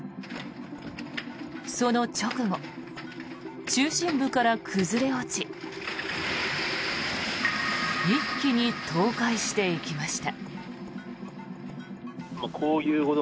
その直後、中心部から崩れ落ち一気に倒壊していきました。